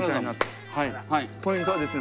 ポイントはですね